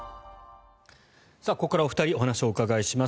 ここからお二人にお話をお伺いします。